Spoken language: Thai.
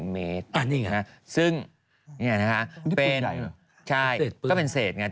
๑๐๑เมตรอันนี้ไงซึ่งนี่ไงนะคะเป็นอันนี้ปืนใหญ่เหรอใช่ก็เป็นเศษไง